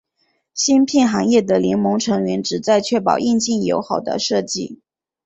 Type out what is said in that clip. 芯片行业的联盟成员旨在确保硬件友好的设计。